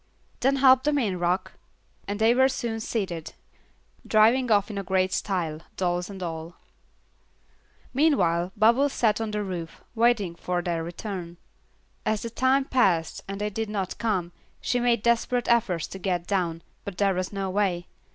"Then help them in, Rock," and they were soon seated, driving off in great style, dolls and all. Meanwhile, Bubbles sat on the roof, waiting for their return. As the time passed and they did not come, she made desperate efforts to get down, but there was no way.